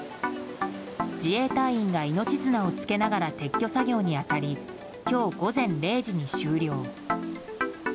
自衛隊員が命綱をつけながら撤去作業に当たり今日午前０時に終了。